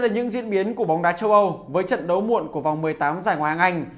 trong những diễn biến của bóng đá châu âu với trận đấu muộn của vòng một mươi tám giải hoa hàng anh